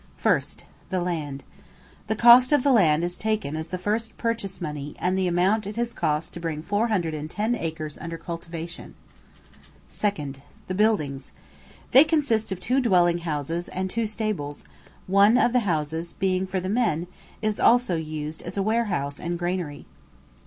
1st. The Land. The cost of the land is taken as the first purchase money and the amount it has cost to bring 410 acres under cultivation. 2nd. The Buildings. They consist of two dwelling houses and two stables; one of the houses, being for the men, is also used as a warehouse and granary.